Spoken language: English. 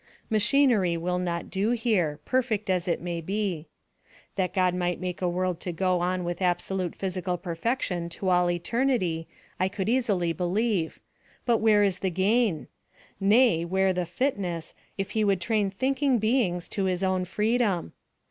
Machinery will not do here perfect as it may be. That God might make a world to go on with absolute physical perfection to all eternity, I could easily believe; but where the gain? nay, where the fitness, if he would train thinking beings to his own freedom?